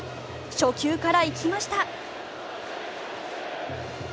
初球から行きました。